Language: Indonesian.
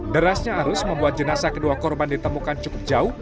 derasnya arus membuat jenasa kedua korban ditemukan cukup jauh